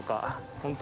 本当。